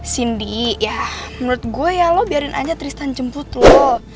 cindy ya menurut gue ya lo biarin aja tristan jemput loh